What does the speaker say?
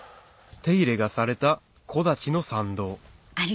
手入れがされた木立の参道